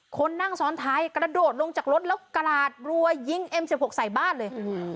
คนนั่งซ้อนท้ายกระโดดลงจากรถแล้วกราดรัวยิงเอ็มสิบหกใส่บ้านเลย